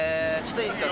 いいっすか？